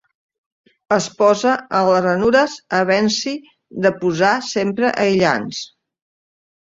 Es posa en les ranures havent-s'hi de posar sempre aïllants.